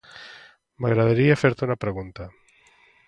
M'agradaria fer-te una pregunta.